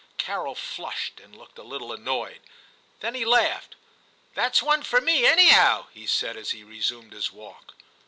Carol flushed and looked a little annoyed ; then he laughed. * That's one for me, anyhow,* he said, as he resumed his walk.